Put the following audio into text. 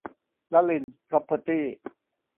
ลลิล พร็อพเพอร์ตี้